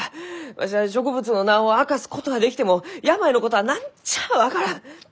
わしは植物の名を明かすことはできても病のことは何ちゃあ分からん！